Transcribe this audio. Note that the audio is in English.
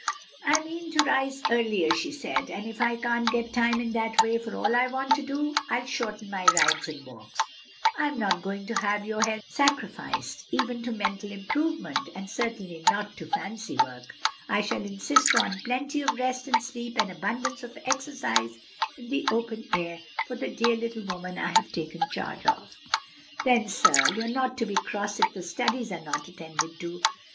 "I mean to rise earlier," she said, "and if I can't get time in that way for all I want to do, I'll shorten my rides and walks." "No," he said, "I'm not going to have your health sacrificed even to mental improvement; and certainly not to fancy work; I shall insist on plenty of rest and sleep and abundance of exercise in the open air for the dear little woman I have taken charge of." "Then, sir, you're not to be cross if the studies are not attended to."